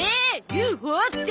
ＵＦＯって。